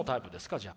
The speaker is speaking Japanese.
じゃあ。